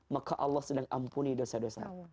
maka allah sedang ampuni dosa dosa